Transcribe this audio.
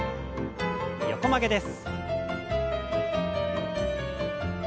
横曲げです。